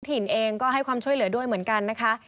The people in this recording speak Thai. ถิ่นเองก็ให้ความช่วยเหลือด้วยเหมือนกันนะคะ